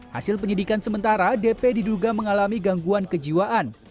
hasil penyidikan sementara dp diduga mengalami gangguan kejiwaan